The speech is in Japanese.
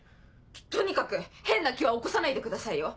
とにかく変な気は起こさないでくださいよ。